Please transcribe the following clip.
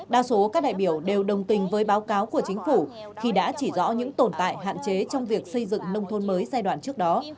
đa số các đại biểu đều đồng tình với báo cáo của chính phủ khi đã chỉ rõ những tồn tại hạn chế trong việc xây dựng nông thôn mới giai đoạn trước đó